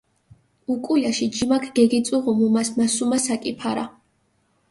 უკულაში ჯიმაქ გეგიწუღუ მუმას მასუმა საკი ფარა.